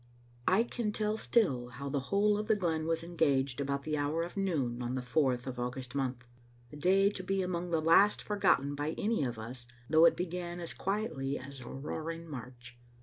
I CAN tell still how the whole of the glen was engaged about the hour of noon on the fourth of August month ; a day to be among the last forgotten by any of us, though it began as quietly as a roaring March.